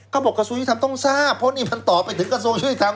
กระทรวงยุทธรรมต้องทราบเพราะนี่มันต่อไปถึงกระทรวงยุติธรรม